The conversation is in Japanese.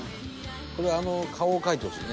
「これあの顔を描いてほしいね」